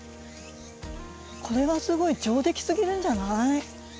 これはすごい上出来すぎるんじゃない？